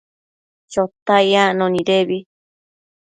Chotac yacno nidebi